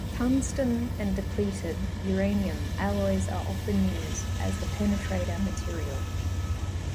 Tungsten and depleted uranium alloys are often used as the penetrator material.